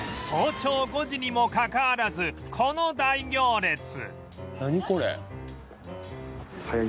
早朝５時にもかかわらずこの大行列